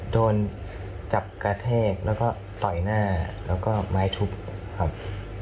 โดนจับกระแทกแล้วก็ต่อยหน้าแล้วก็ไม้ทุบครับ